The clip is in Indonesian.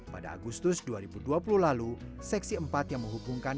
pada agustus dua ribu dua puluh lalu seksi empat yang menghubungkan